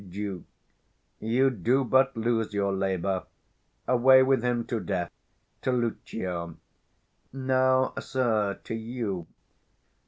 _ Duke. You do but lose your labour. Away with him to death! [To Lucio] Now, sir, to you.